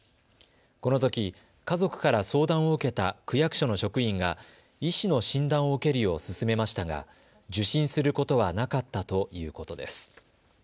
このとき、家族から相談を受けた区役所の職員が医師の診断を受けるよう勧めましたが受診することはなかったということです。